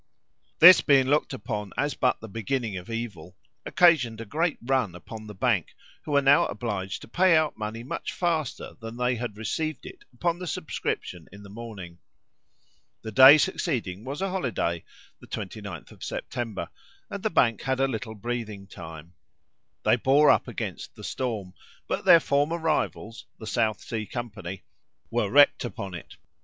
This being looked upon as but the beginning of evil, occasioned a great run upon the Bank, who were now obliged to pay out money much faster than they had received it upon the subscription in the morning. The day succeeding was a holiday (the 29th of September), and the Bank had a little breathing time. They bore up against the storm; but their former rivals, the South Sea company, were wrecked upon it.